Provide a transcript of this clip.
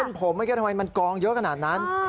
เป็นผมทำไมมันกองเยอะขนาดนั้น